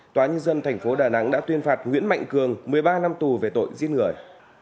tòa nhân dân tp đà nẵng đã tuyên phạt nguyễn mạnh cường một mươi ba năm tù về tội giết người